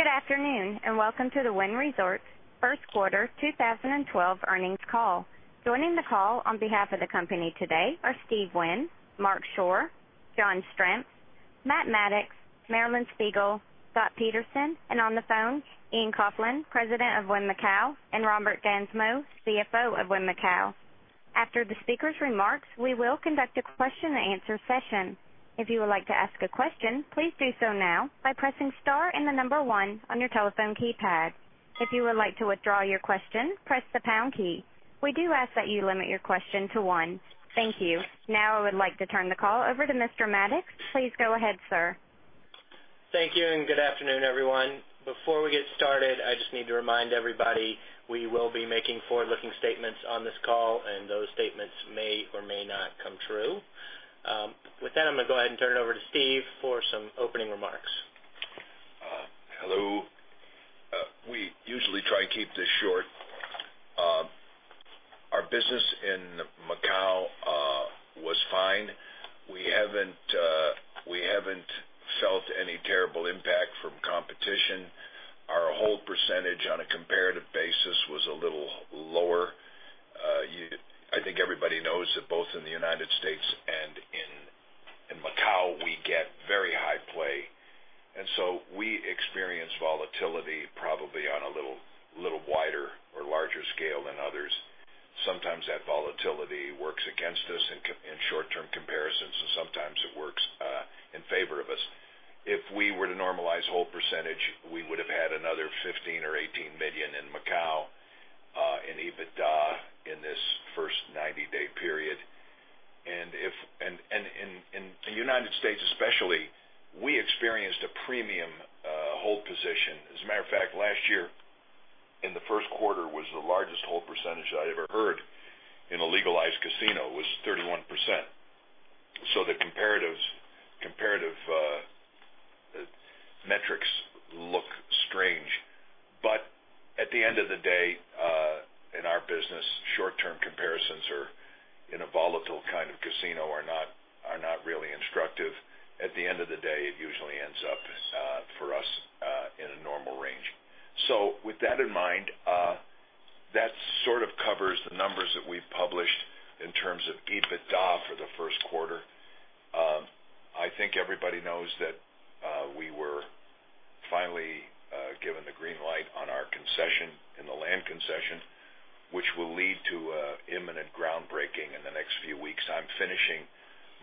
Good afternoon, and welcome to the Wynn Resorts first quarter 2012 earnings call. Joining the call on behalf of the company today are Steve Wynn, Marc Schorr, John Strzemp, Matt Maddox, Marilyn Spiegel, Scott Peterson, and on the phone, Ian Coughlan, President of Wynn Macau, and Robert Gansmo, CFO of Wynn Macau. After the speakers' remarks, we will conduct a question and answer session. If you would like to ask a question, please do so now by pressing star and the number one on your telephone keypad. If you would like to withdraw your question, press the pound key. We do ask that you limit your question to one. Thank you. Now I would like to turn the call over to Mr. Maddox. Please go ahead, sir. Thank you, and good afternoon, everyone. Before we get started, I just need to remind everybody, we will be making forward-looking statements on this call, and those statements may or may not come true. With that, I'm going to go ahead and turn it over to Steve for some opening remarks. Hello. We usually try to keep this short. Our business in Macau was fine. We haven't felt any terrible impact from competition. Our hold percentage on a comparative basis was a little lower. I think everybody knows that both in the United States and in Macau, we get very high play, and so we experience volatility probably on a little wider or larger scale than others. Sometimes that volatility works against us in short-term comparisons, and sometimes it works in favor of us. If we were to normalize hold percentage, we would have had another $15 million or $18 million in Macau, in EBITDA in this first 90-day period. In the United States especially, we experienced a premium hold position. As a matter of fact, last year in the first quarter was the largest hold percentage that I ever heard in a legalized casino, was 31%. The comparative metrics look strange. At the end of the day, in our business, short-term comparisons in a volatile kind of casino are not really instructive. At the end of the day, it usually ends up for us in a normal range. With that in mind, that sort of covers the numbers that we've published in terms of EBITDA for the first quarter. I think everybody knows that we were finally given the green light on our concession in the land concession, which will lead to imminent groundbreaking in the next few weeks. I'm finishing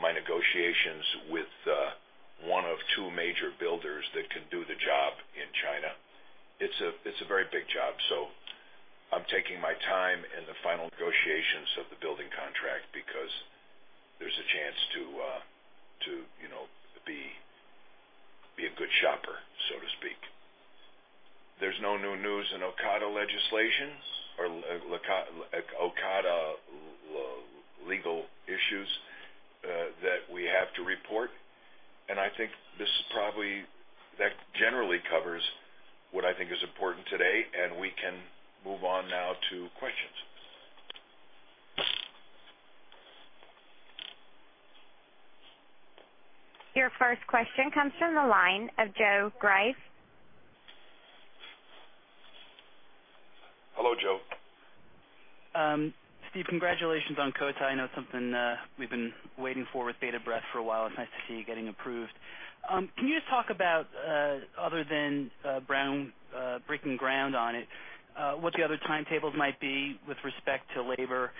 my negotiations with one of two major builders that can do the job in China. It's a very big job, so I'm taking my time in the final negotiations of the building contract because there's a chance to be a good shopper, so to speak. There's no new news in Okada legislations or Okada legal issues that we have to report. I think that generally covers what I think is important today, and we can move on now to questions. Your first question comes from the line of Joe Greff. Hello, Joe. Steve, congratulations on Cotai. I know it's something we've been waiting for with bated breath for a while. It's nice to see you getting approved. Can you just talk about, other than breaking ground on it, what the other timetables might be with respect to labor,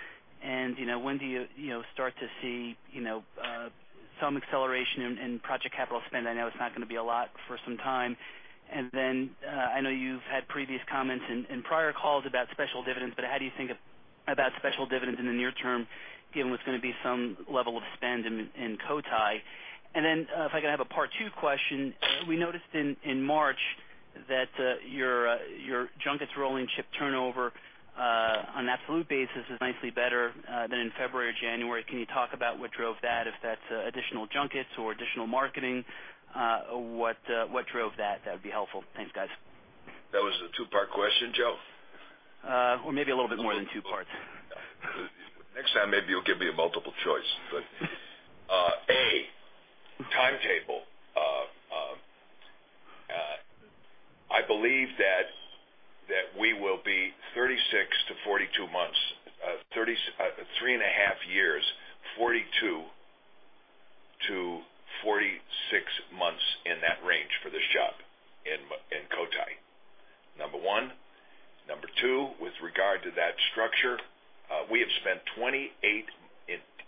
and when do you start to see some acceleration in project capital spend? I know it's not going to be a lot for some time. Then, I know you've had previous comments in prior calls about special dividends, but how do you think about special dividends in the near term, given what's going to be some level of spend in Cotai? Then, if I could have a part 2 question. We noticed in March that your junkets rolling chip turnover, on an absolute basis, is nicely better than in February or January. Can you talk about what drove that? If that's additional junkets or additional marketing, what drove that? That would be helpful. Thanks, guys. That was a two-part question, Joe? Maybe a little bit more than two parts. Next time, maybe you'll give me a multiple choice. A, timetable. I believe that we will be 36-42 months, three and a half years, 42-46 months, in that range for this job in Cotai, number one. Number two, with regard to that structure, we have spent 28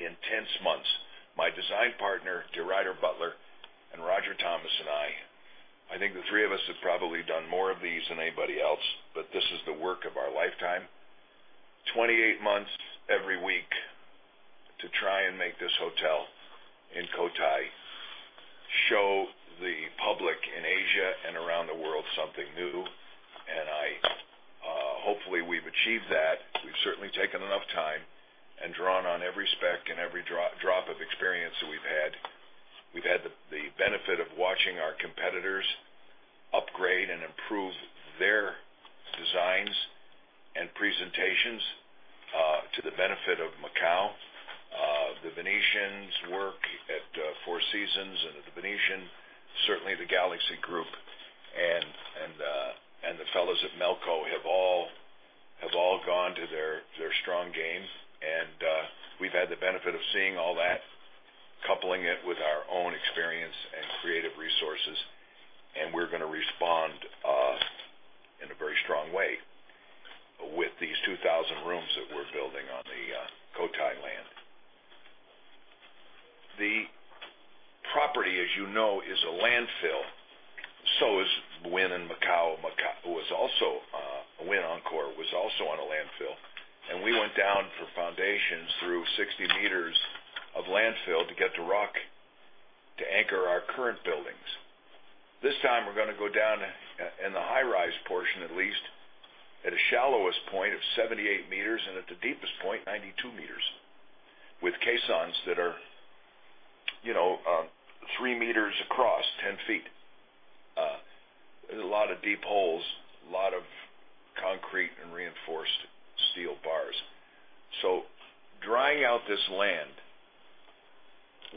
intense months. My design partner, DeRuyter Butler, and Roger Thomas and I think the three of us have probably done more of these than anybody else, but this is the work of our lifetime. 28 months every week to try and make this hotel in Cotai show the public in Asia and around the world something new, and hopefully we've achieved that. We've certainly taken enough time and drawn on every spec and every drop of experience that we've had. We've had the benefit of watching our competitors upgrade and improve their designs and presentations to the benefit of work at Four Seasons and at The Venetian, certainly the Galaxy Group and the fellows at Melco have all gone to their strong game, and we've had the benefit of seeing all that, coupling it with our own experience and creative resources, and we're going to respond in a very strong way with these 2,000 rooms that we're building on the Cotai land. The property, as you know, is a landfill. Is Wynn Macau. Wynn Encore was also on a landfill, and we went down for foundations through 60 meters of landfill to get to rock to anchor our current buildings. This time we're going to go down, in the high-rise portion at least, at a shallowest point of 78 meters and at the deepest point, 92 meters, with caissons that are 3 meters across, 10 feet. A lot of deep holes, a lot of concrete and reinforced steel bars. Drying out this land,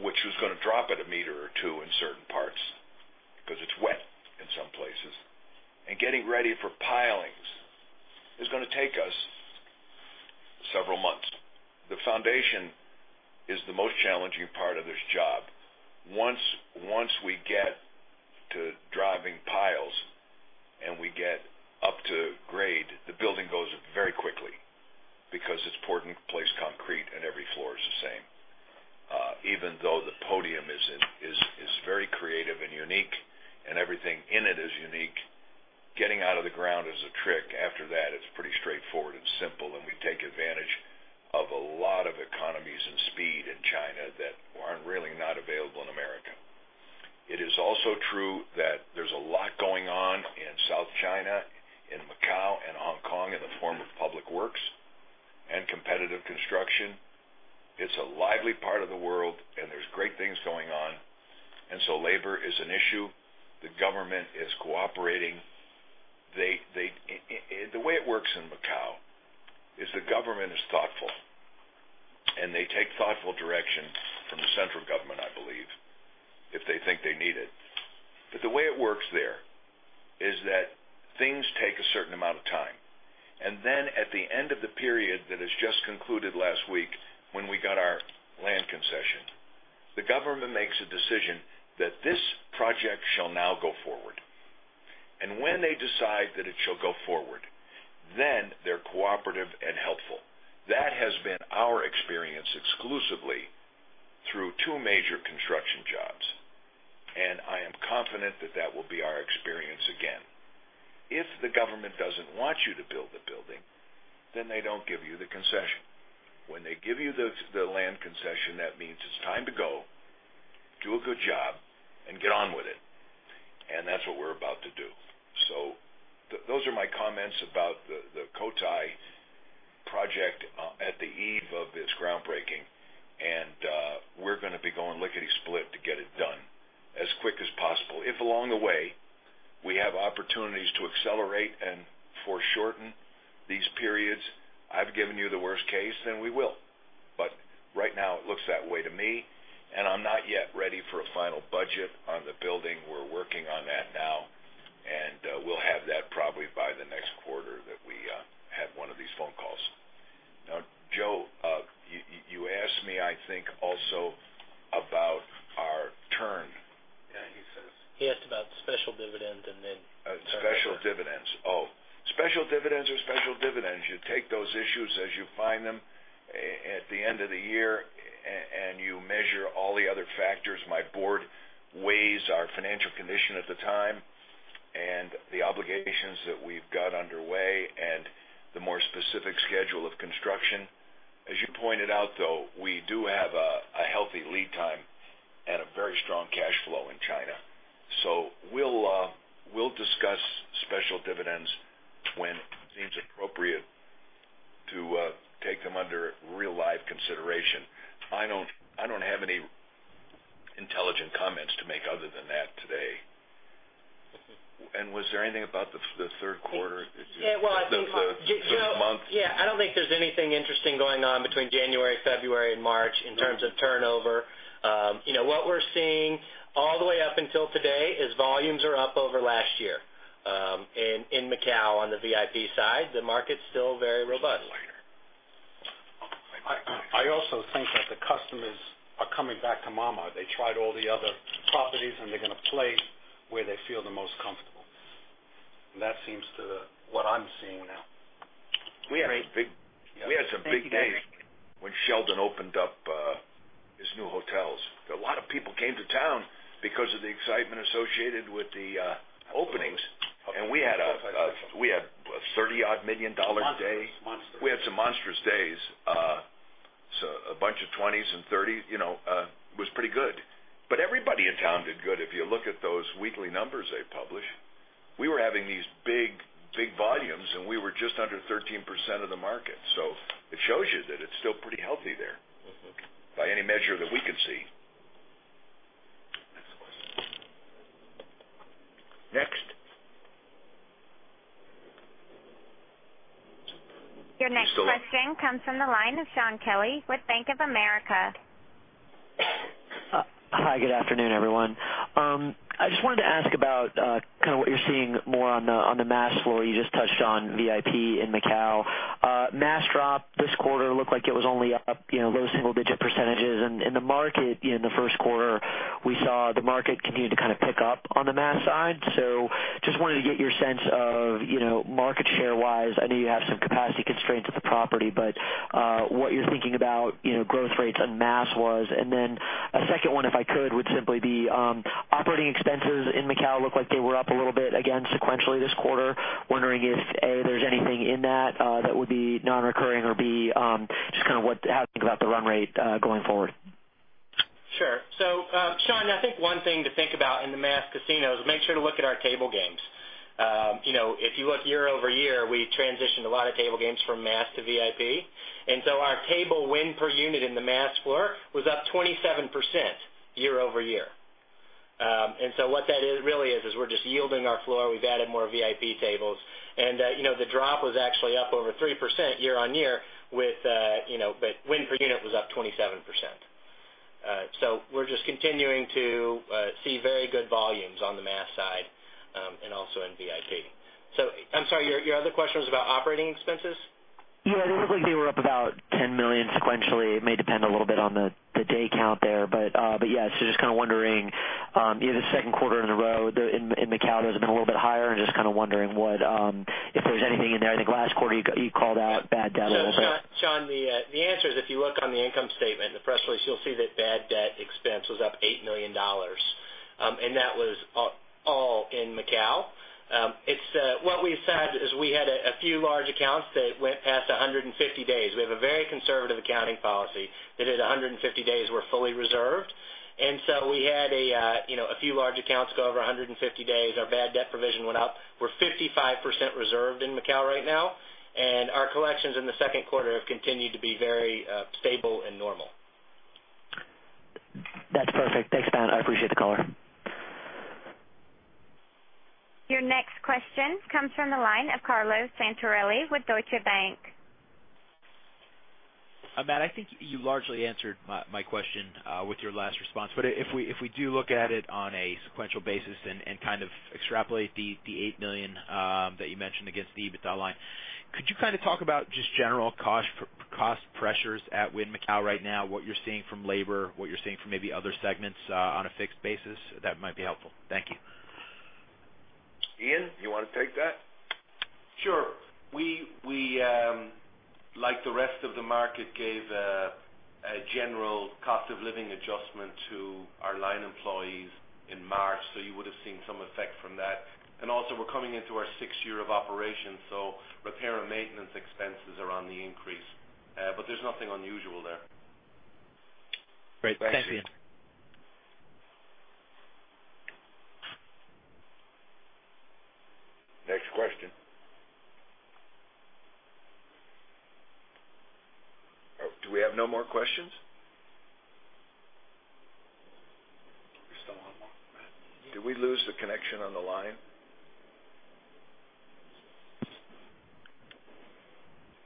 which was going to drop at a meter or two in certain parts because it's wet in some places, and getting ready for pilings is going to take us several months. The foundation is the most challenging part of this job. Once we get to driving piles and we get up to grade, the building goes up very quickly because it's poured into place concrete, and every floor is the same. Even though the podium is very creative and unique, and everything in it is unique, getting out of the ground is a trick. After that, it's pretty straightforward and simple. We take advantage of a lot of economies and speed in China that are really not available in America. It is also true that there's a lot going on in South China, in Macau, and Hong Kong in the form of public works and competitive construction. It's a lively part of the world, and there's great things going on. Labor is an issue. The government is cooperating. The way it works in Macau is the government is thoughtful, and they take thoughtful direction from the central government, I believe, if they think they need it. The way it works there is that things take a certain amount of time, and then at the end of the period that has just concluded last week when we got our land concession, the government makes a decision that this project shall now go forward. When they decide that it shall go forward, then they're cooperative and helpful. That has been our experience exclusively through two major construction jobs, and I am confident that that will be our experience again. If the government doesn't want you to build the building, then they don't give you the concession. When they give you the land concession, that means it's time to go, do a good job, and get on with it, and that's what we're about to do. Those are my comments about the Cotai project at the eve of its groundbreaking, and we're going to be going lickety-split to get it done as quick as possible. If along the way, we have opportunities to accelerate and foreshorten these periods, I've given you the worst case, then we will. Right now, it looks that way to me, and I'm not yet ready for a final budget on the building. We're working on that now, and we'll have that probably by the next quarter that we have one of these phone calls. Joe, you asked me, I think, also about our turn. Yeah, he says. He asked about special dividend and then turnover. Special dividends. Special dividends are special dividends. You take those issues as you find them at the end of the year, and you measure all the other factors. My board weighs our financial condition at the time and the obligations that we've got underway and the more specific schedule of construction. As you pointed out, though, we do have a healthy lead time and a very strong cash flow in China. We'll discuss special dividends when it seems appropriate to take them under real live consideration. I don't have any intelligent comments to make other than that today. Was there anything about the third quarter? Yeah. Well, I think, Joe- The month. Yeah, I don't think there's anything interesting going on between January, February, and March in terms of turnover. What we're seeing all the way up until today is volumes are up over last year in Macau on the VIP side. The market's still very robust. I also think that the customers are coming back to mama. They tried all the other properties. They're going to play where they feel the most comfortable. That seems to what I'm seeing now. We had some big days when Sheldon opened up his new hotels. A lot of people came to town because of the excitement associated with the openings. We had a $30-odd million day. Monstrous. We had some monstrous days. A bunch of $20s and $30s. It was pretty good. Everybody in town did good if you look at those weekly numbers they publish. We were having these big volumes, and we were just under 13% of the market. It shows you that it's still pretty healthy there by any measure that we could see. Next question. Your next question comes from the line of Shaun Kelley with Bank of America. Hi, good afternoon, everyone. I just wanted to ask about what you're seeing more on the mass floor. You just touched on VIP in Macau. Mass drop this quarter looked like it was only up low single-digit %. In the first quarter, we saw the market continue to pick up on the mass side. Just wanted to get your sense of market share-wise, I know you have some capacity constraints at the property, but what you're thinking about growth rates on mass was. A second one, if I could, would simply be operating expenses in Macau look like they were up a little bit again sequentially this quarter. Wondering if, A, there's anything in that that would be non-recurring, or B, just how to think about the run rate going forward. Sure. Shaun, I think one thing to think about in the mass casinos, make sure to look at our table games. If you look year-over-year, we transitioned a lot of table games from mass to VIP. Our table win per unit in the mass floor was up 27% year-over-year. What that really is we're just yielding our floor. We've added more VIP tables, and the drop was actually up over 3% year-on-year, but win per unit was up 27%. We're just continuing to see very good volumes on the mass side, and also in VIP. I'm sorry, your other question was about operating expenses? Yeah. They look like they were up about $10 million sequentially. It may depend a little bit on the day count there. Yeah, just kind of wondering, the second quarter in a row in Macau has been a little bit higher and just kind of wondering if there's anything in there. I think last quarter you called out bad debt a little bit. Shaun, the answer is, if you look on the income statement, the press release, you'll see that bad debt expense was up $8 million. That was all in Macau. What we've said is we had a few large accounts that went past 150 days. We have a very conservative accounting policy that at 150 days, we're fully reserved. We had a few large accounts go over 150 days. Our bad debt provision went up. We're 55% reserved in Macau right now, and our collections in the second quarter have continued to be very stable and normal. That's perfect. Thanks, Matt. I appreciate the call. Your next question comes from the line of Carlo Santarelli with Deutsche Bank. Matt, I think you largely answered my question with your last response. If we do look at it on a sequential basis and kind of extrapolate the $8 million that you mentioned against the EBITDA line, could you talk about just general cost pressures at Wynn Macau right now, what you're seeing from labor, what you're seeing from maybe other segments on a fixed basis? That might be helpful. Thank you. Ian, you want to take that? Sure. We, like the rest of the market, gave a general cost of living adjustment to our line employees in March, so you would've seen some effect from that. Also, we're coming into our sixth year of operation, so repair and maintenance expenses are on the increase. There's nothing unusual there. Great. Thanks, Ian. Next question. Do we have no more questions? We still have more, Matt. Did we lose the connection on the line?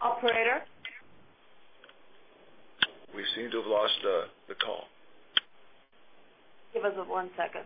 Operator? We seem to have lost the call. Give us one second.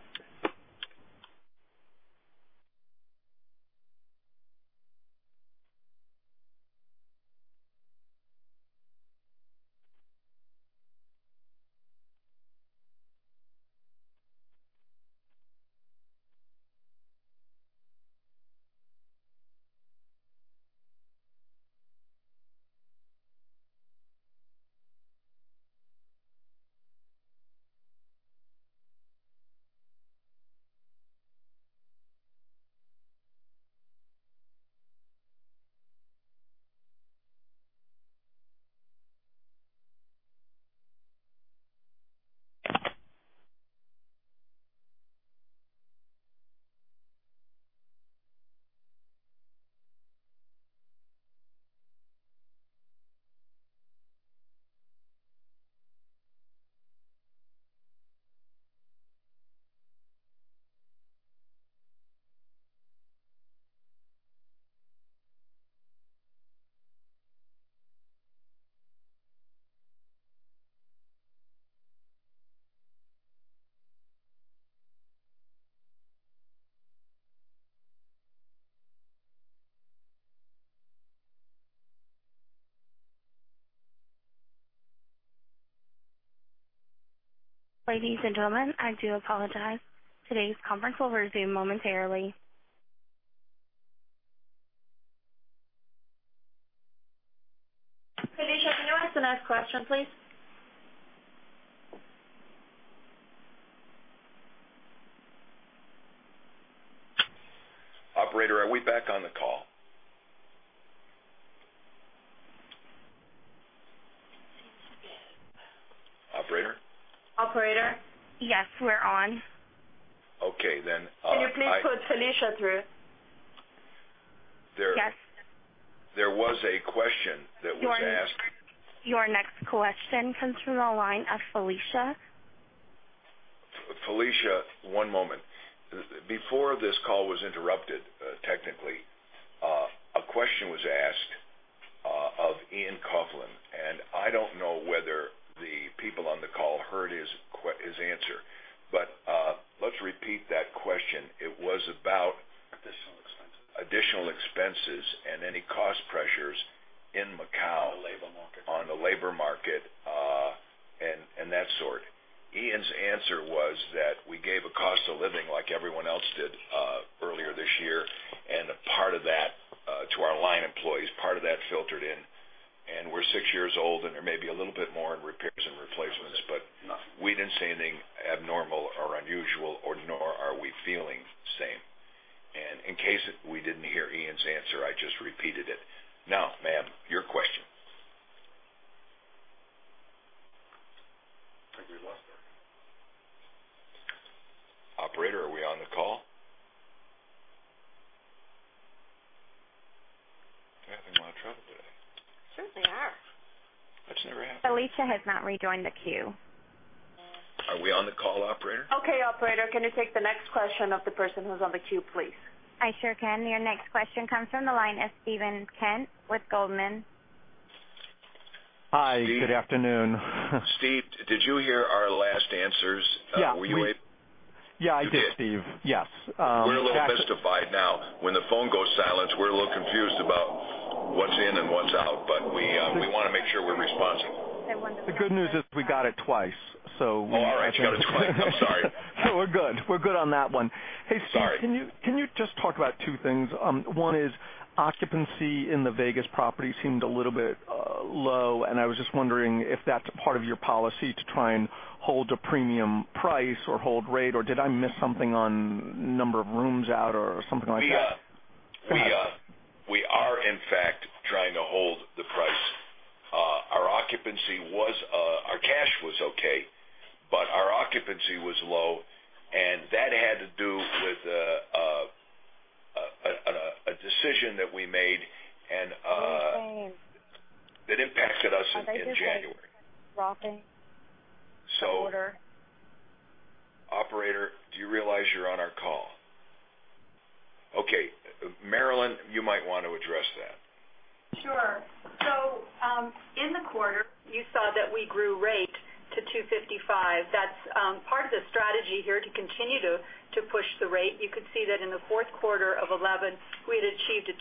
Ladies and gentlemen, I do apologize. Today's conference will resume momentarily. Felicia, can you ask the next question, please? Operator, are we back on the call? It seems to be. Operator? Operator? Yes, we're on. Okay, then. Can you please put Felicia through? Yes. There was a question that was asked. Your next question comes from the line of Felicia. Felicia, one moment. Before this call was interrupted, technically, a question was asked of Ian Coughlan, and I don't know whether the people on the call heard his answer. Let's repeat that question. Additional expenses and any cost pressures in Macau on the labor market, and that sort. Ian's answer was that we gave a cost of living like everyone else did earlier this year, and part of that to our line employees, part of that filtered in. We're six years old, and there may be a little bit more in repairs and replacements, but we didn't see anything abnormal or unusual or nor are we feeling same. In case we didn't hear Ian's answer, I just repeated it. Ma'am, your question. I think we lost her. Operator, are we on the call? Having a lot of trouble today. Certainly are. That's never happened. Felicia has not rejoined the queue. Are we on the call, operator? Okay, operator. Can you take the next question of the person who's on the queue, please? I sure can. Your next question comes from the line of Steven Kent with Goldman. Hi, good afternoon. Steve, did you hear our last answers? Yeah. Were you able? Yeah, I did, Steve. Yes. We're a little mystified now. When the phone goes silent, we're a little confused about what's in and what's out, but we want to make sure we're responsive. The good news is we got it twice. Oh, all right. You got it twice. I'm sorry. We're good. We're good on that one. Sorry. Hey, Steve, can you just talk about two things? One is occupancy in the Vegas property seemed a little bit low, and I was just wondering if that's a part of your policy to try and hold a premium price or hold rate, or did I miss something on number of rooms out or something like that? We are, in fact, trying to hold the price. Our cash was okay, but our occupancy was low, and that had to do with a decision that we made that impacted us in January. Operator, do you realize you're on our call? Okay. Marilyn, you might want to address that. Sure. In the quarter, you saw that we grew rate to $255. That's part of the strategy here to continue to push the rate. You could see that in the fourth quarter of 2011, we had achieved a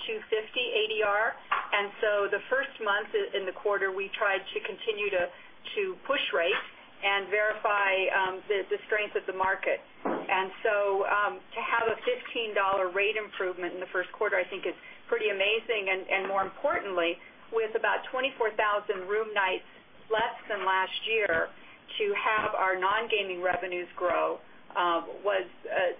$250 ADR. The first month in the quarter, we tried to continue to push rate and verify the strength of the market. To have a $15 rate improvement in the first quarter, I think is pretty amazing. More importantly, with about 24,000 room nights less than last year, to have our non-gaming revenues grow, was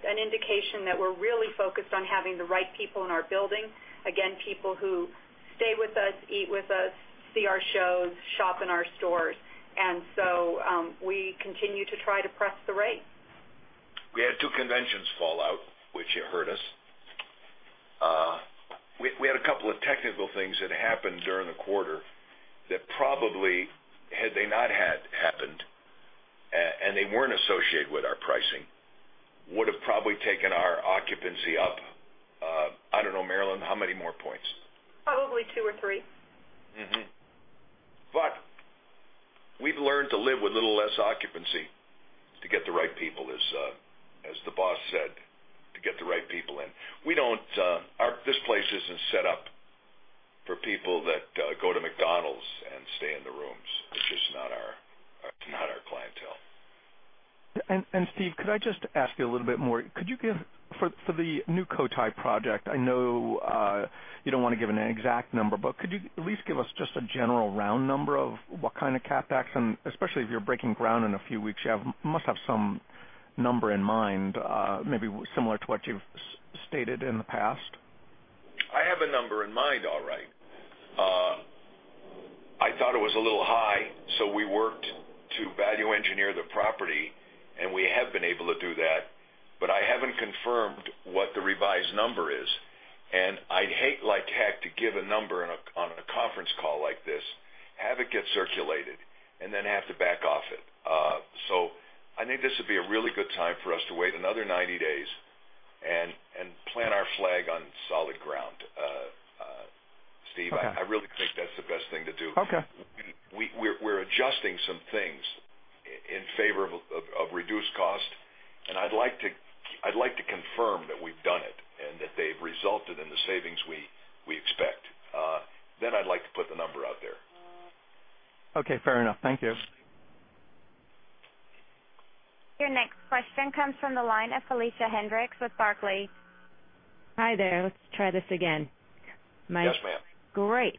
an indication that we're really focused on having the right people in our building. Again, people who stay with us, eat with us, see our shows, shop in our stores. We continue to try to press the rate. We had two conventions fall out, which it hurt us. We had a couple of technical things that happened during the quarter that probably, had they not happened, and they weren't associated with our pricing, would've probably taken our occupancy up. I don't know, Marilyn, how many more points? Probably two or three. We've learned to live with a little less occupancy to get the right people, as the boss said, to get the right people in. This place isn't set up for people that go to McDonald's and stay in the rooms. It's just not our clientele. Steve, could I just ask you a little bit more? For the new Cotai project, I know you don't want to give an exact number, but could you at least give us just a general round number of what kind of CapEx? Especially if you're breaking ground in a few weeks, you must have some number in mind, maybe similar to what you've stated in the past. I have a number in mind, all right. I thought it was a little high, so we worked to value engineer the property, and we have been able to do that, but I haven't confirmed what the revised number is. I'd hate like heck to give a number on a conference call like this, have it get circulated, and then have to back off it. I think this would be a really good time for us to wait another 90 days and plant our flag on solid ground, Steve. Okay. I really think that's the best thing to do. Okay. We're adjusting some things in favor of reduced cost, I'd like to confirm that we've done it, and that they've resulted in the savings we expect. I'd like to put the number out there. Okay, fair enough. Thank you. Your next question comes from the line of Felicia Hendrix with Barclays. Hi there. Let's try this again. Yes, ma'am. Great.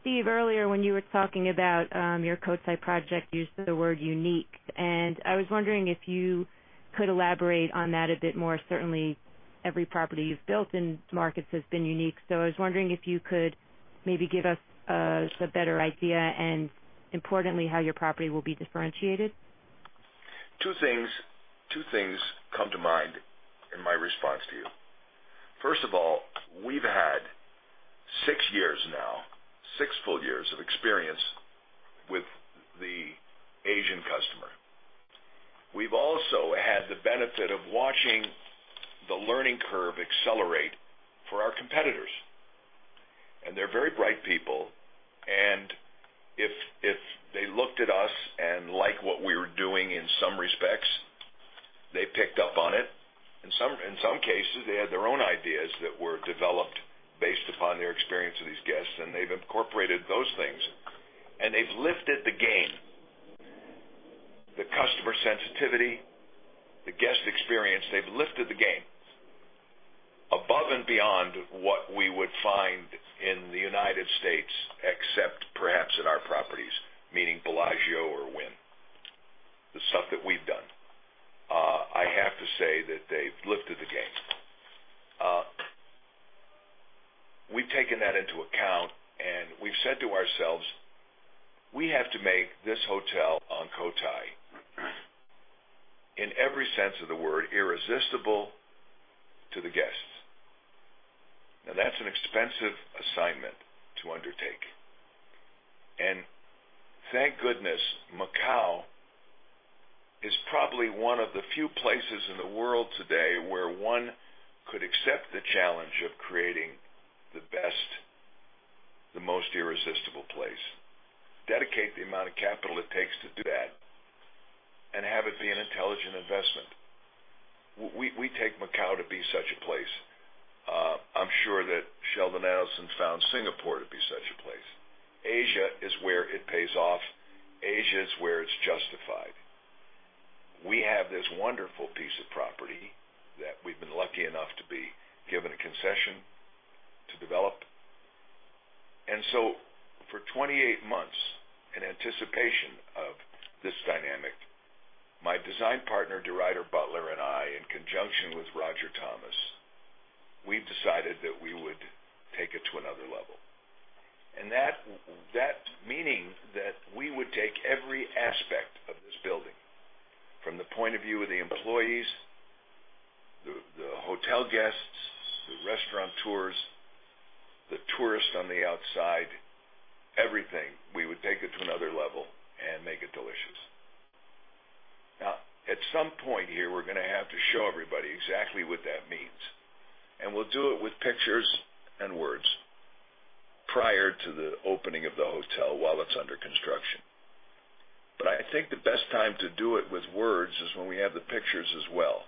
Steve, earlier when you were talking about your Cotai project, you used the word unique. I was wondering if you could elaborate on that a bit more. Certainly, every property you've built in markets has been unique. I was wondering if you could maybe give us a better idea and importantly, how your property will be differentiated. Two things come to mind in my response to you. First of all, we've had six years now, six full years of experience with the Asian customer. We've also had the benefit of watching the learning curve accelerate for our competitors. They're very bright people. If they looked at us and like what we were doing in some respects, they picked up on it. In some cases, they had their own ideas that were developed based upon their experience with these guests. They've incorporated those things. They've lifted the game. The customer sensitivity, the guest experience, they've lifted the game above and beyond what we would find in the United States, except perhaps at our properties, meaning Bellagio or Wynn. The stuff that we've done. I have to say that they've lifted the game. We've taken that into account. We've said to ourselves, we have to make this hotel on Cotai, in every sense of the word, irresistible to the guests. That's an expensive assignment to undertake. Thank goodness Macau is probably one of the few places in the world today where one could accept the challenge of creating the best, the most irresistible place, dedicate the amount of capital it takes to do that, and have it be an intelligent investment. We take Macau to be such a place. I'm sure that Sheldon Adelson found Singapore to be such a place. Asia is where it pays off. Asia is where it's justified. We have this wonderful piece of property that we've been lucky enough to be given a concession to develop. For 28 months, in anticipation of this dynamic, my design partner, DeRuyter Butler, and I, in conjunction with Roger Thomas, we've decided that we would take it to another level. That meaning that we would take every aspect of this building, from the point of view of the employees, the hotel guests, the restaurateurs, the tourists on the outside, everything, we would take it to another level and make it delicious. At some point here, we're going to have to show everybody exactly what that means. We'll do it with pictures and words prior to the opening of the hotel while it's under construction. I think the best time to do it with words is when we have the pictures as well.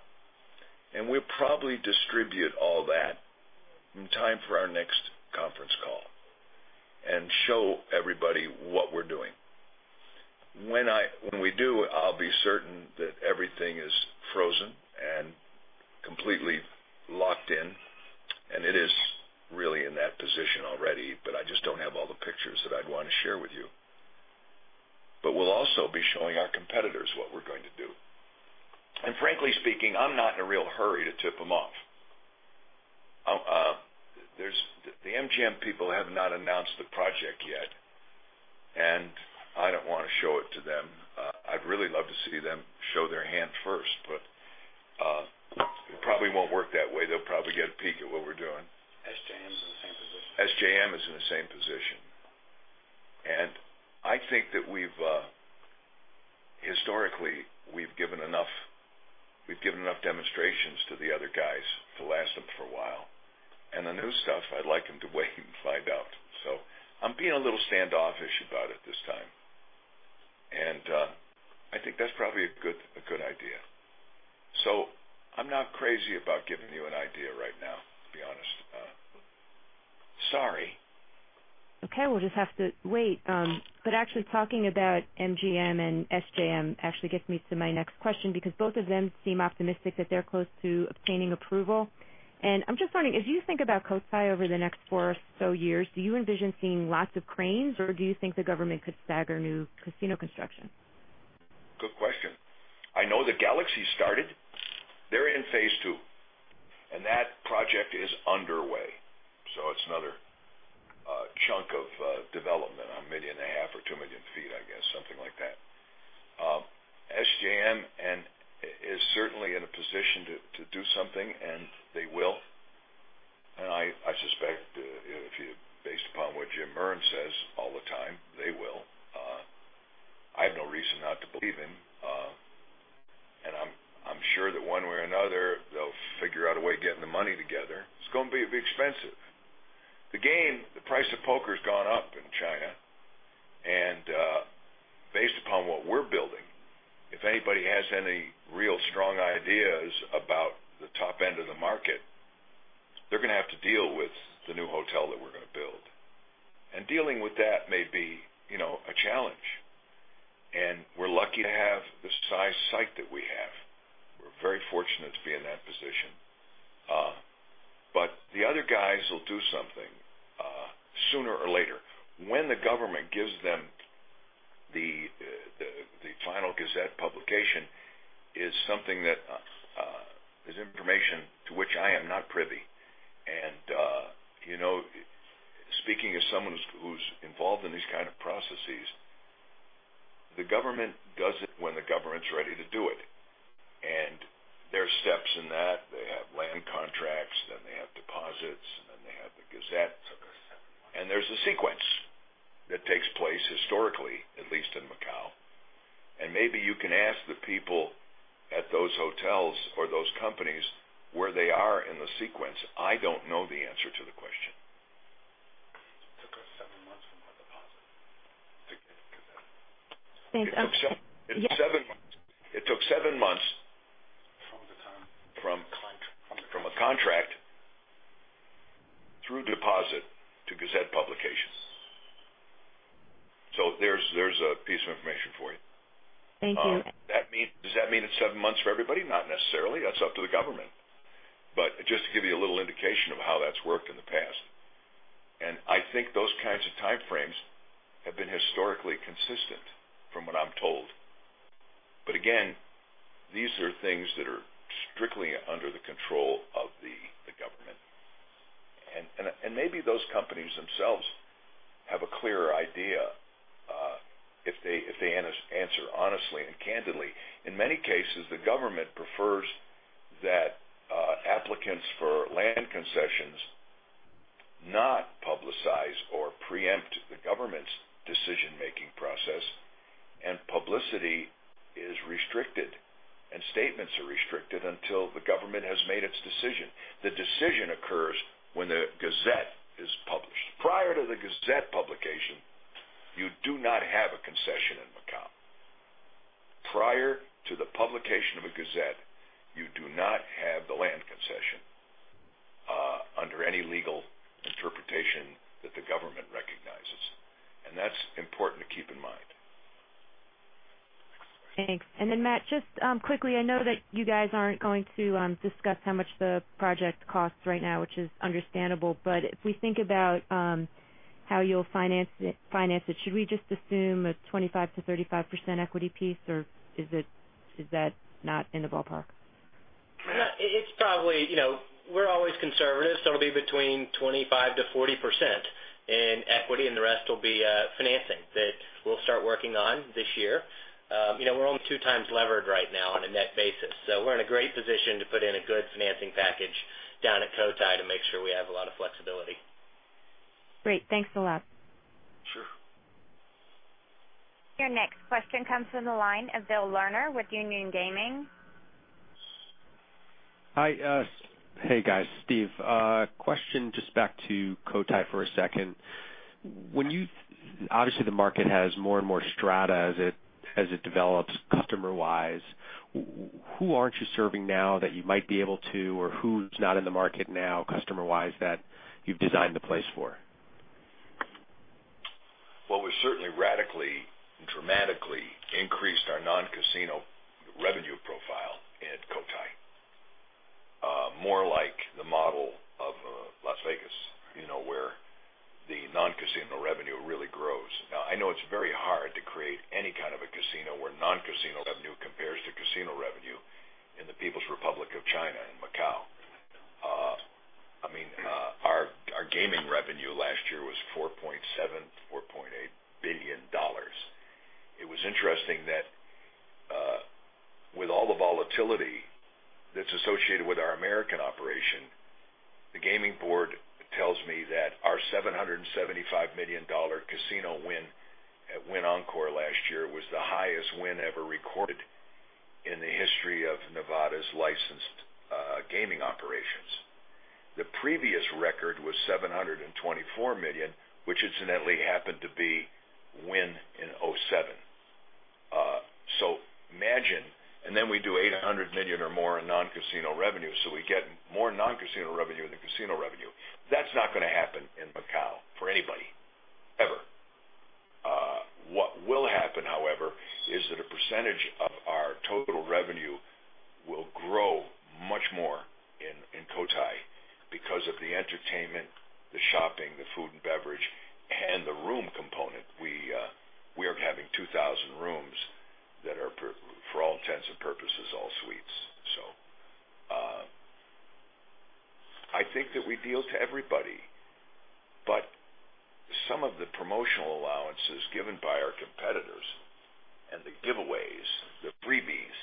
We'll probably distribute all that in time for our next conference call and show everybody what we're doing. When we do, I'll be certain that everything is frozen and completely locked in, and it is really in that position already, but I just don't have all the pictures that I'd want to share with you. We'll also be showing our competitors what we're going to do. Frankly speaking, I'm not in a real hurry to tip them off. The MGM people have not announced the project yet, I don't want to show it to them. I'd really love to see them show their hand first, but it probably won't work that way. They'll probably get a peek at what we're doing. SJM's in the same position. SJM is in the same position. I think that historically we've given enough demonstrations to the other guys to last them for a while. The new stuff, I'd like them to wait and find out. I'm being a little standoffish about it this time. I think that's probably a good idea. I'm not crazy about giving you an idea right now, to be honest. Sorry. Okay, we'll just have to wait. Actually talking about MGM and SJM actually gets me to my next question, because both of them seem optimistic that they're close to obtaining approval. I'm just wondering, as you think about Cotai over the next four or so years, do you envision seeing lots of cranes, or do you think the government could stagger new casino construction? Good question. I know that Galaxy's started. They're in phase 2. That project is underway, so it's another chunk of development, 1.5 million or 2 million feet, I guess, something like that. SJM is certainly in a position to do something, they will. I suspect, based upon what Jim Murren says all the time, they will. I have no reason not to believe him. I'm sure that one way or another, they'll figure out a way of getting the money together. It's going to be expensive. The game, the price of poker's gone up in China. Based upon what we're building, if anybody has any real strong ideas about the top end of the market, they're going to have to deal with the new hotel that we're going to build. Dealing with that may be a challenge. We're lucky to have the size site that we have. We're very fortunate to be in that position. The other guys will do something sooner or later. When the government gives them the final Gazette publication is information to which I am not privy. Speaking as someone who's involved in these kind of processes The government does it when the government's ready to do it. There are steps in that. They have land contracts, then they have deposits, and then they have the Gazette. There's a sequence that takes place historically, at least in Macau. Maybe you can ask the people at those hotels or those companies where they are in the sequence. I don't know the answer to the question. It took us 7 months from our deposit to get Gazette. Thanks. It took 7 months from a contract through deposit to Gazette publication. There's a piece of information for you. Thank you. Does that mean it's seven months for everybody? Not necessarily. That's up to the government, just to give you a little indication of how that's worked in the past, I think those kinds of time frames have been historically consistent from what I'm told. Again, these are things that are strictly under the control of the government. Maybe those companies themselves have a clearer idea, if they answer honestly and candidly. In many cases, the government prefers that applicants for land concessions not publicize or preempt the government's decision-making process, publicity is restricted, and statements are restricted until the government has made its decision. The decision occurs when the Gazette is published. Prior to the Gazette publication, you do not have a concession in Macau. Prior to the publication of a Gazette, you do not have the land concession under any legal interpretation that the government recognizes, That's important to keep in mind. Thanks. Matt, just quickly, I know that you guys aren't going to discuss how much the project costs right now, which is understandable, but if we think about how you'll finance it, should we just assume a 25%-35% equity piece, or is that not in the ballpark? We're always conservative, it'll be between 25%-40% in equity, and the rest will be financing that we'll start working on this year. We're only two times levered right now on a net basis. We're in a great position to put in a good financing package down at Cotai to make sure we have a lot of flexibility. Great. Thanks a lot. Sure. Your next question comes from the line of Bill Lerner with Union Gaming. Hi. Hey, guys, Steve. Question just back to Cotai for a second. the market has more and more strata as it develops customer-wise. Who aren't you serving now that you might be able to, or who's not in the market now customer-wise that you've designed the place for? We certainly radically and dramatically increased our non-casino revenue profile at Cotai. More like the model of Las Vegas, where the non-casino revenue really grows. I know it's very hard to create any kind of a casino where non-casino revenue compares to casino revenue in the People's Republic of China and Macau. Our gaming revenue last year was $4.7 billion, $4.8 billion. It was interesting that with all the volatility that's associated with our American operation, the gaming board tells me that our $775 million casino win at Wynn Encore last year was the highest win ever recorded in the history of Nevada's licensed gaming operations. The previous record was $724 million, which incidentally happened to be Wynn in 2007. Imagine, then we do $800 million or more in non-casino revenue, so we get more non-casino revenue than casino revenue. That's not going to happen in Macau for anybody, ever. What will happen, however, is that a percentage of our total revenue will grow much more in Cotai because of the entertainment, the shopping, the food and beverage, and the room component. We are having 2,000 rooms that are, for all intents and purposes, all suites. I think that we appeal to everybody, but some of the promotional allowances given by our competitors and the giveaways, the freebies,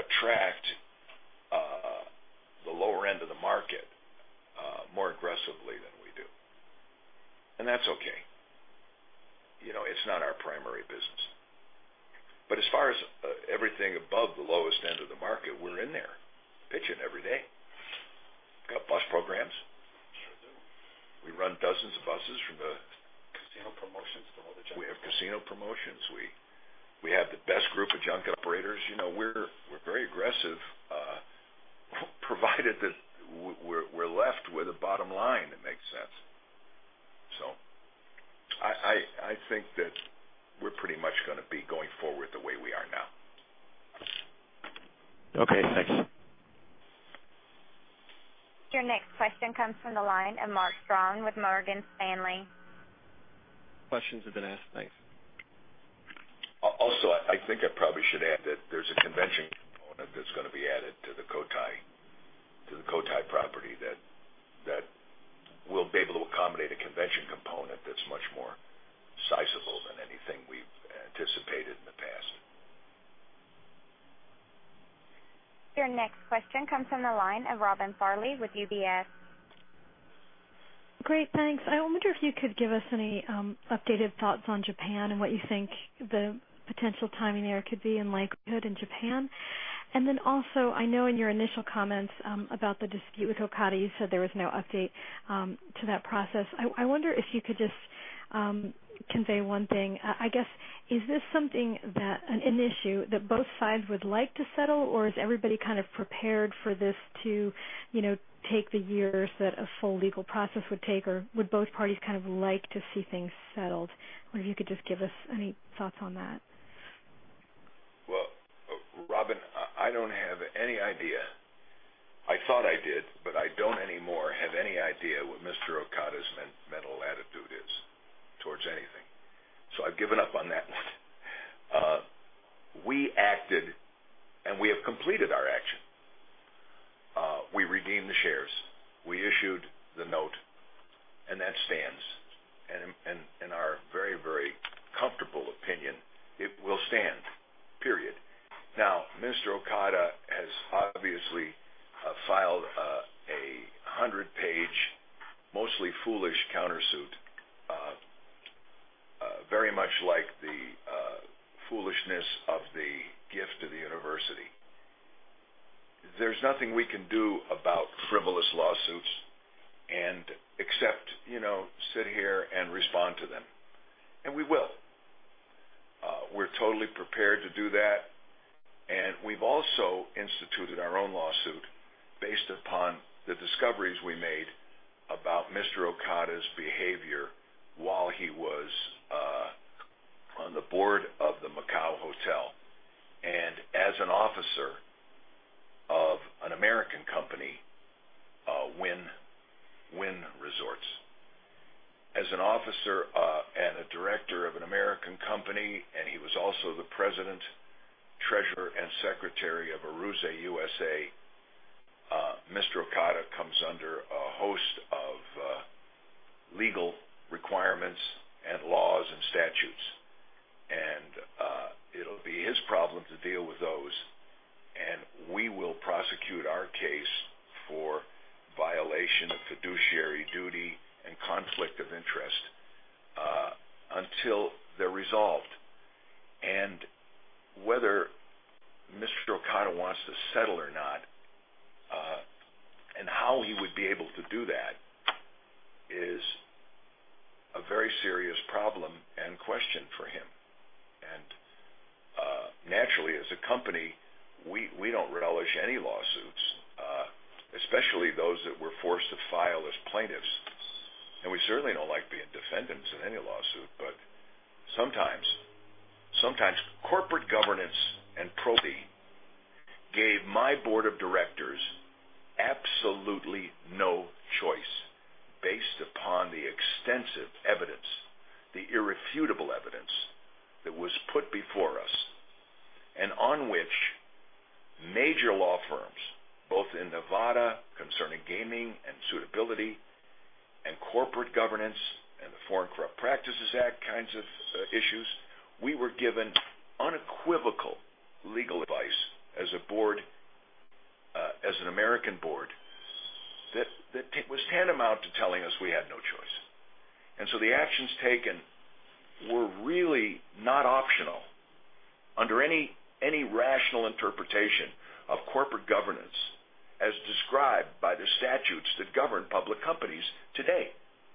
attract the lower end of the market more aggressively than we do. That's okay. It's not our primary business. As far as everything above the lowest end of the market, we're in there pitching every day. Got bus programs. Sure do. We run dozens of buses from the Casino promotions to all the junkets. We have casino promotions. We have the best group of junket operators. We're very aggressive, provided that we're left with a bottom line that makes sense. I think that we're pretty much going to be going forward the way we are now. Okay, thanks. Your next question comes from the line of Mark Strong with Morgan Stanley. Questions have been asked. Thanks. I think I probably should add that there's a convention that we'll be able to accommodate a convention component that's much more sizable than anything we've anticipated in the past. Your next question comes from the line of Robin Farley with UBS. Great. Thanks. I wonder if you could give us any updated thoughts on Japan and what you think the potential timing there could be and likelihood in Japan. I know in your initial comments about the dispute with Okada, you said there was no update to that process. I wonder if you could just convey one thing. I guess, is this an issue that both sides would like to settle, or is everybody kind of prepared for this to take the years that a full legal process would take, or would both parties like to see things settled? I wonder if you could just give us any thoughts on that. Robin, I don't have any idea. I thought I did, but I don't anymore have any idea what Mr. Okada's mental attitude is towards anything. I've given up on that one. We acted, and we have completed our action. We redeemed the shares, we issued the note, and that stands. In our very, very comfortable opinion, it will stand, period. Mr. Okada has obviously filed a 100-page, mostly foolish counter-suit, very much like the foolishness of the gift to the university. There's nothing we can do about frivolous lawsuits except sit here and respond to them. We will. We're totally prepared to do that. We've also instituted our own lawsuit based upon the discoveries we made about Mr. Okada's behavior while he was on the board of the Macau hotel, and as an officer of an American company, Wynn Resorts. As an officer and a director of an American company, he was also the president, treasurer, and secretary of ARUZE USA. Mr. Okada comes under a host of legal requirements and laws and statutes, and it'll be his problem to deal with those. We will prosecute our case for violation of fiduciary duty and conflict of interest until they're resolved. Whether Mr. Okada wants to settle or not, and how he would be able to do that, is a very serious problem and question for him. Naturally, as a company, we don't relish any lawsuits, especially those that we're forced to file as plaintiffs. We certainly don't like being defendants in any lawsuit. Sometimes corporate governance and propriety gave my board of directors absolutely no choice based upon the extensive evidence, the irrefutable evidence that was put before us, and on which major law firms, both in Nevada, concerning gaming and suitability and corporate governance and the Foreign Corrupt Practices Act kinds of issues, we were given unequivocal legal advice as an American board that was tantamount to telling us we had no choice. The actions taken were really not optional under any rational interpretation of corporate governance as described by the statutes that govern public companies today,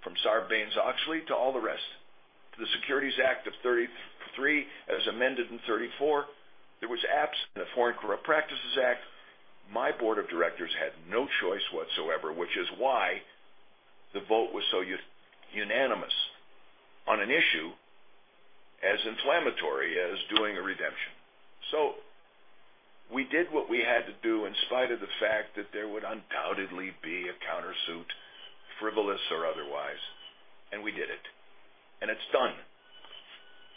from Sarbanes-Oxley to all the rest, to the Securities Act of 1933 as amended in 1934, and the Foreign Corrupt Practices Act. My board of directors had no choice whatsoever, which is why the vote was so unanimous on an issue as inflammatory as doing a redemption. We did what we had to do in spite of the fact that there would undoubtedly be a counter-suit, frivolous or otherwise. We did it. It's done.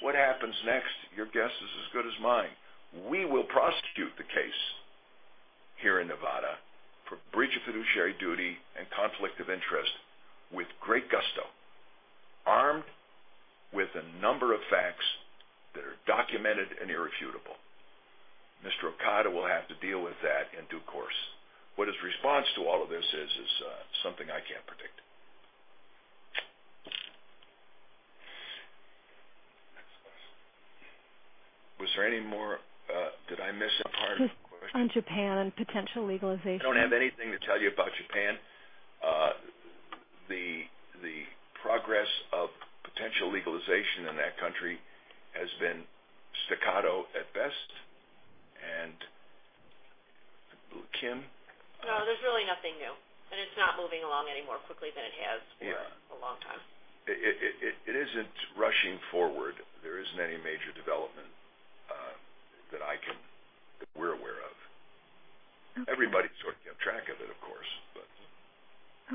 What happens next? Your guess is as good as mine. We will prosecute the case here in Nevada for breach of fiduciary duty and conflict of interest with great gusto, armed with a number of facts that are documented and irrefutable. Mr. Okada will have to deal with that in due course. What his response to all of this is something I can't predict. Was there any more? Did I miss a part of a question? Just on Japan and potential legalization. I don't have anything to tell you about Japan. The progress of potential legalization in that country has been staccato at best, Kim? No, there's really nothing new. It's not moving along any more quickly than it has for a long time. It isn't rushing forward. There isn't any major development that we're aware of. Okay. Everybody's sort of kept track of it, of course.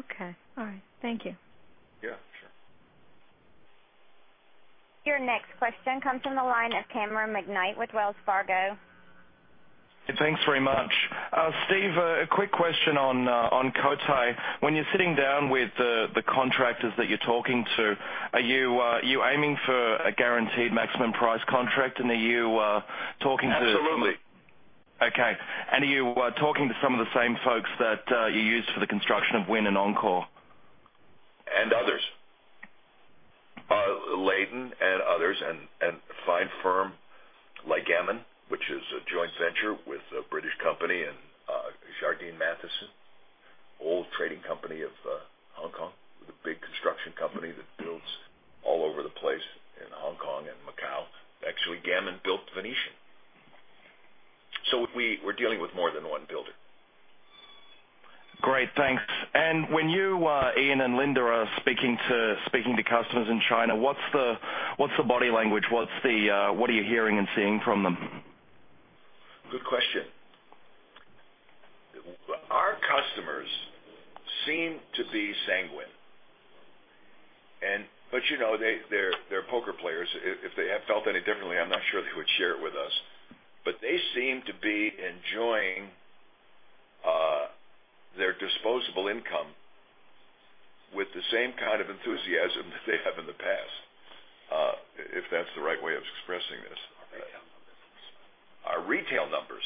Okay. All right. Thank you. Yeah, sure. Your next question comes from the line of Cameron McKnight with Wells Fargo. Thanks very much. Steve, a quick question on Cotai. When you're sitting down with the contractors that you're talking to, are you aiming for a guaranteed maximum price contract? Are you talking to- Absolutely Okay. Are you talking to some of the same folks that you used for the construction of Wynn and Encore? Others. Leighton and others, and a fine firm like Gammon, which is a joint venture with a British company, and Jardine Matheson, old trading company of Hong Kong, with a big construction company that builds all over the place in Hong Kong and Macau. Actually, Gammon built Venetian. We're dealing with more than one builder. Great, thanks. When you, Ian, and Linda are speaking to customers in China, what's the body language? What are you hearing and seeing from them? Good question. Our customers seem to be sanguine. They're poker players. If they felt any differently, I'm not sure they would share it with us. They seem to be enjoying their disposable income with the same kind of enthusiasm that they have in the past, if that's the right way of expressing this. Our retail numbers.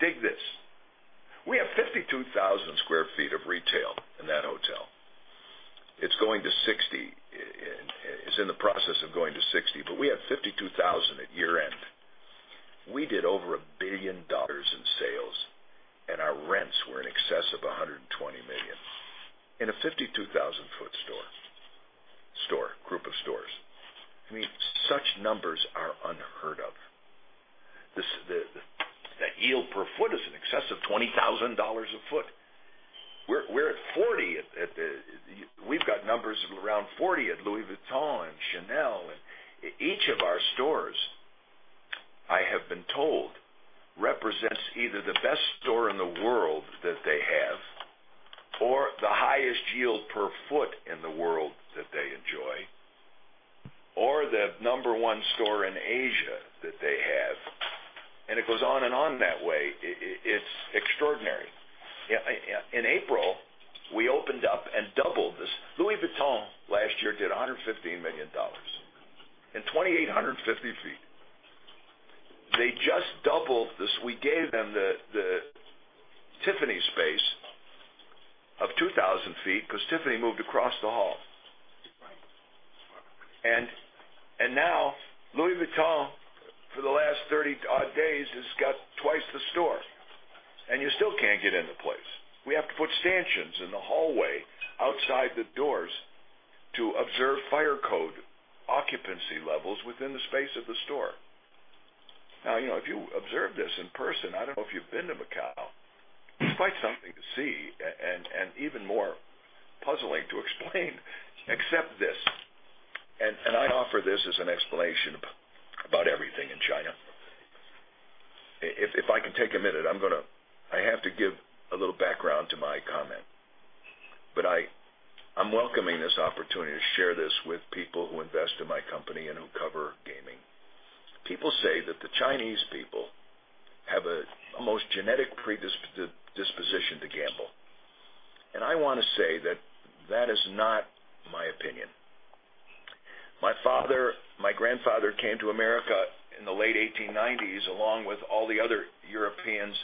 Dig this. We have 52,000 square feet of retail in that hotel. It's in the process of going to 60, but we have 52,000 at year-end. We did over $1 billion in sales, and our rents were in excess of $120 million in a 52,000-foot store. Store, group of stores. Such numbers are unheard of. That yield per foot is in excess of $20,000 a foot. We're at 40. We've got numbers of around 40 at Louis Vuitton and Chanel. Each of our stores, I have been told, represents either the best store in the world that they have or the highest yield per foot in the world that they enjoy or the number one store in Asia that they have, and it goes on and on that way. It's extraordinary. In April, we opened up and doubled this. Louis Vuitton last year did $115 million in 2,850 feet. They just doubled this. We gave them the Tiffany space of 2,000 feet because Tiffany moved across the hall. Right. Now Louis Vuitton, for the last 30-odd days, has got twice the store, and you still can't get in the place. We have to put stanchions in the hallway outside the doors to observe fire code occupancy levels within the space of the store. Now, if you observe this in person, I don't know if you've been to Macau, it's quite something to see and even more puzzling to explain, except this, and I offer this as an explanation about everything in China. If I can take a minute, I have to give a little background to my comment, but I'm welcoming this opportunity to share this with people who invest in my company and who cover gaming. People say that the Chinese people have an almost genetic predisposition to gamble, and I want to say that that is not my opinion. My grandfather came to America in the late 1890s, along with all the other Europeans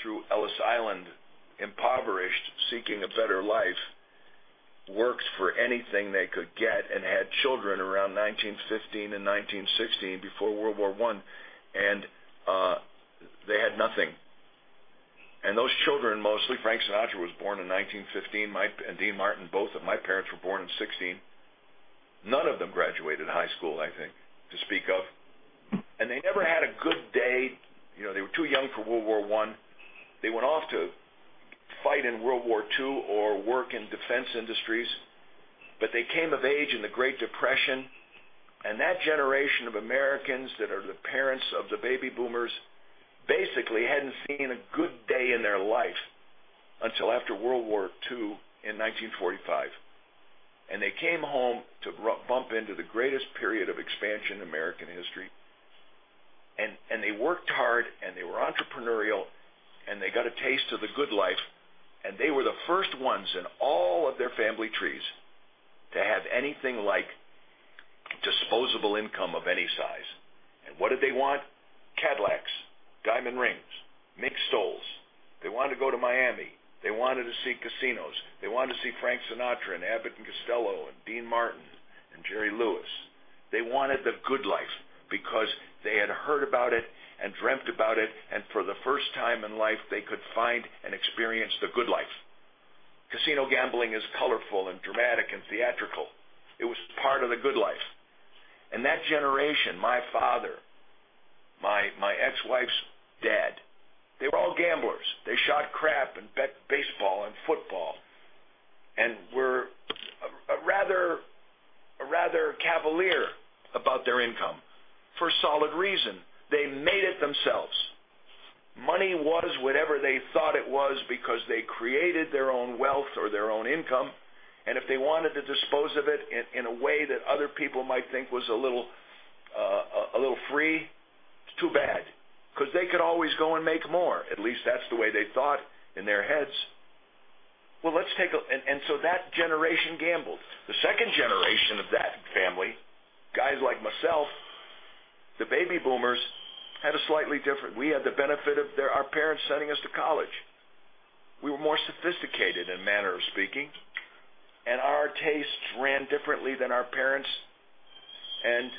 through Ellis Island, impoverished, seeking a better life, worked for anything they could get, and had children around 1915 and 1916, before World War I, and they had nothing. Those children, mostly, Frank Sinatra was born in 1915, and Dean Martin, both of my parents were born in 1916. None of them graduated high school, I think, to speak of. They never had a good day. They were too young for World War I. They went off to fight in World War II or work in defense industries, but they came of age in the Great Depression, and that generation of Americans that are the parents of the baby boomers basically hadn't seen a good day in their life until after World War II in 1945. They came home to bump into the greatest period of expansion in American history, and they worked hard, and they were entrepreneurial, and they got a taste of the good life, and they were the first ones in all of their family trees to have anything like disposable income of any size. What did they want? Cadillacs, diamond rings, mink stoles. They wanted to go to Miami. They wanted to see casinos. They wanted to see Frank Sinatra and Abbott and Costello and Dean Martin and Jerry Lewis. They wanted the good life because they had heard about it and dreamt about it, and for the first time in life, they could find and experience the good life. Casino gambling is colorful and dramatic and theatrical. It was part of the good life. That generation, my father, my ex-wife's dad, they were all gamblers. They shot crap and bet baseball and football and were rather cavalier about their income for a solid reason. They made it themselves. Money was whatever they thought it was because they created their own wealth or their own income, and if they wanted to dispose of it in a way that other people might think was a little free, too bad, because they could always go and make more. At least that's the way they thought in their heads. That generation gambled. The second generation of that family, guys like myself, the baby boomers, had it slightly different. We had the benefit of our parents sending us to college. We were more sophisticated in manner of speaking, and our tastes ran differently than our parents, and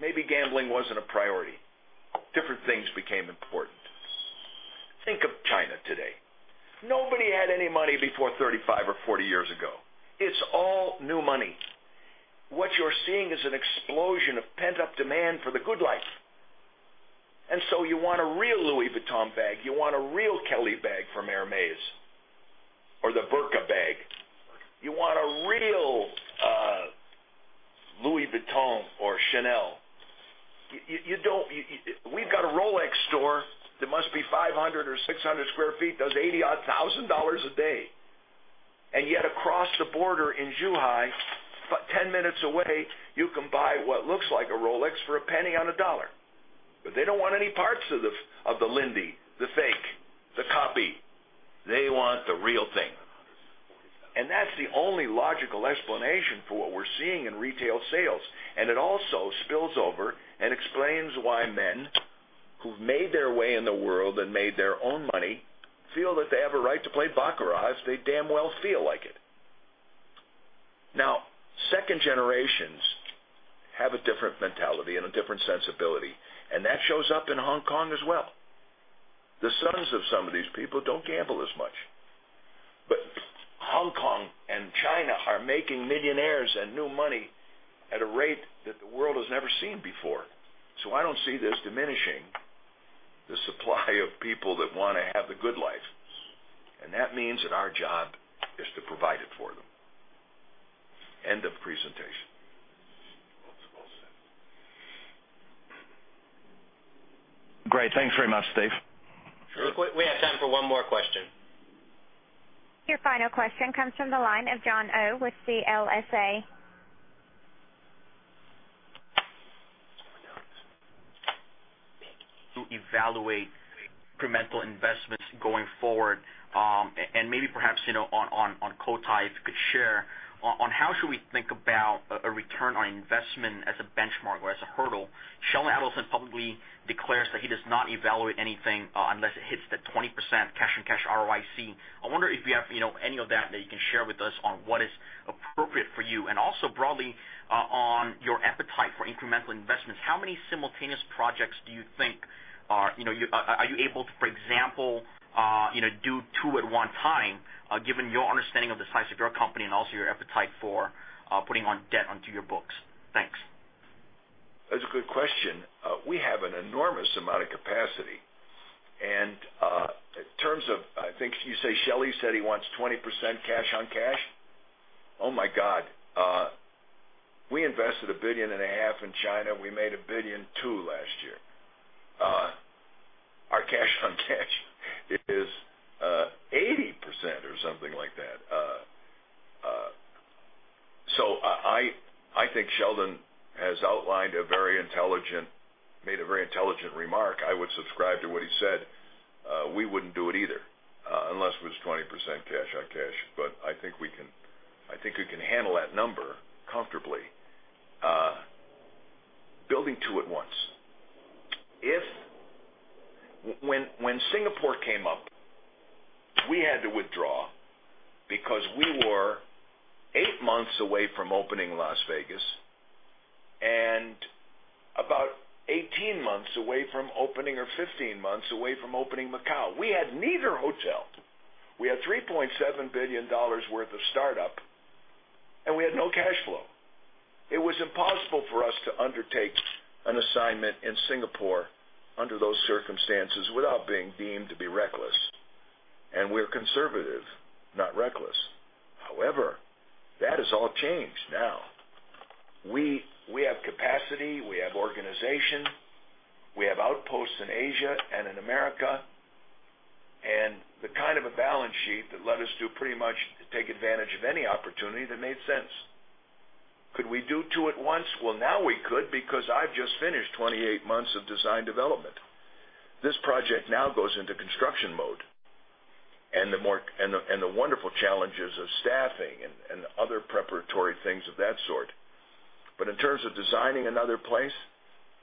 maybe gambling wasn't a priority. Different things became important. Think of China today. Nobody had any money before 35 or 40 years ago. It's all new money. What you're seeing is an explosion of pent-up demand for the good life. You want a real Louis Vuitton bag. You want a real Kelly bag from Hermès or the Birkin bag. You want a real Louis Vuitton or Chanel. We've got a Rolex store that must be 500 or 600 sq ft, does $80,000 a day. Yet across the border in Zhuhai, 10 minutes away, you can buy what looks like a Rolex for $0.01 on a $1. They don't want any parts of the Lindy, the fake, the copy. They want the real thing. That's the only logical explanation for what we're seeing in retail sales. It also spills over and explains why men who've made their way in the world and made their own money feel that they have a right to play baccarat if they damn well feel like it. Second generations have a different mentality and a different sensibility, and that shows up in Hong Kong as well. The sons of some of these people don't gamble as much. Hong Kong and China are making millionaires and new money at a rate that the world has never seen before. I don't see this diminishing the supply of people that want to have the good life. That means that our job is to provide it for them. End of presentation. Great. Thanks very much, Steve. We have time for one more question. Your final question comes from the line of Jon Oh with CLSA. To evaluate incremental investments going forward, and maybe perhaps, on Cotai, if you could share on how should we think about a return on investment as a benchmark or as a hurdle. Sheldon Adelson publicly declares that he does not evaluate anything unless it hits the 20% cash-on-cash ROIC. I wonder if you have any of that you can share with us on what is appropriate for you. Also broadly, on your appetite for incremental investments, how many simultaneous projects do you think are you able to, for example, do two at one time, given your understanding of the size of your company and also your appetite for putting on debt onto your books? Thanks. That's a good question. We have an enormous amount of capacity. In terms of, I think you say Sheldon said he wants 20% cash on cash. Oh, my God. We invested a billion and a half in China. We made a billion two last year. Our cash on cash is 80% or something like that. I think Sheldon has made a very intelligent remark. I would subscribe to what he said. We wouldn't do it either, unless it was 20% cash on cash. I think we can handle that number comfortably. Building two at once. When Singapore came up, we had to withdraw because we were 8 months away from opening Las Vegas and about 18 months away from opening, or 15 months away from opening Macau. We had neither hotel. We had $3.7 billion worth of startup, and we had no cash flow. It was impossible for us to undertake an assignment in Singapore under those circumstances without being deemed to be reckless. We're conservative, not reckless. However, that has all changed now. We have capacity, we have organization, we have outposts in Asia and in America, and the kind of a balance sheet that let us do pretty much take advantage of any opportunity that made sense. Could we do two at once? Well, now we could because I've just finished 28 months of design development. This project now goes into construction mode and the wonderful challenges of staffing and other preparatory things of that sort. In terms of designing another place,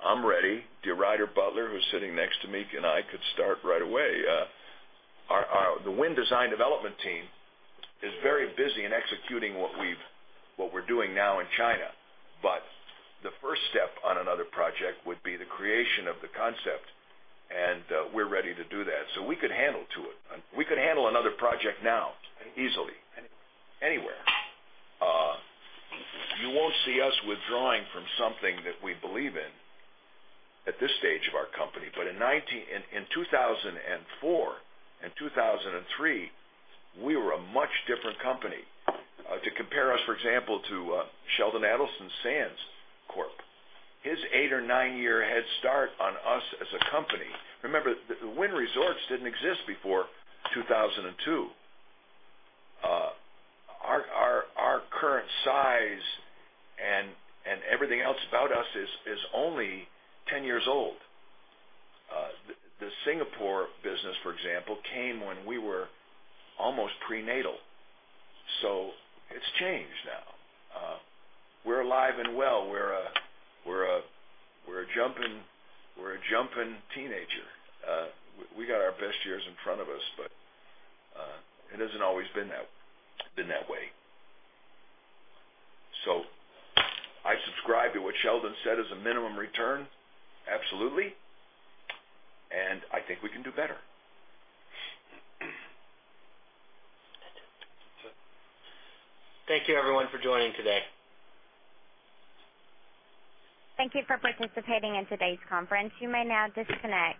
I'm ready. DeRuyter Butler, who's sitting next to me, and I could start right away. The Wynn design development team is very busy in executing what we're doing now in China. The first step on another project would be the creation of the concept, and we're ready to do that. We could handle another project now easily, anywhere. You won't see us withdrawing from something that we believe in at this stage of our company. In 2004 and 2003, we were a much different company. To compare us, for example, to Sheldon Adelson's Sands Corp. His eight or nine-year head start on us as a company. Remember, Wynn Resorts didn't exist before 2002. Our current size and everything else about us is only 10 years old. The Singapore business, for example, came when we were almost prenatal. It's changed now. We're alive and well. We're a jumping teenager. We got our best years in front of us, but it hasn't always been that way. I subscribe to what Sheldon said as a minimum return, absolutely, and I think we can do better. Thank you everyone for joining today. Thank you for participating in today's conference. You may now disconnect.